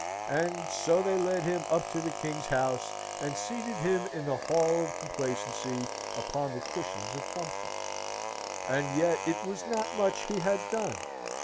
And so they led him up to the king's house, and seated him in the hall of complacency, upon the cushions of comfort. And yet it was not much he had done.